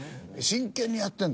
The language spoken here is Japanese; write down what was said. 真剣にやってる。